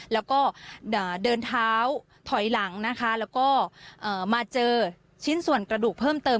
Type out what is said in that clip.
แล้วก็เดินเท้าถอยหลังนะคะแล้วก็มาเจอชิ้นส่วนกระดูกเพิ่มเติม